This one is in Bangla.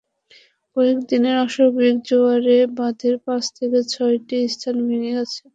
কয়েক দিনের অস্বাভাবিক জোয়ারে বাঁধের পাঁচ থেকে ছয়টি স্থান ভেঙে গেছে।